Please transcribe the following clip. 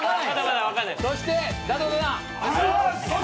そしてダダダダン。